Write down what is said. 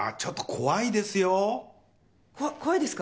怖怖いですか？